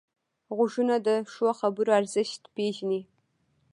غوږونه د ښو خبرو ارزښت پېژني